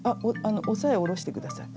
押さえ下ろして下さい。